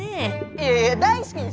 いやいや大好きですよ